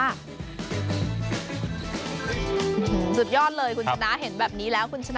สุดยอดเลยคุณชนะเห็นแบบนี้แล้ว